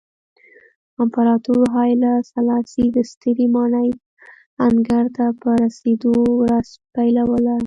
امپراتور هایله سلاسي د سترې ماڼۍ انګړ ته په رسېدو ورځ پیلوله.